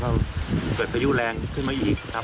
ก็เกิดพายุแรงขึ้นมาอีกครับ